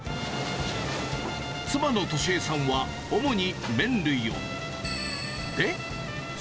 妻の利枝さんは、主に麺類を。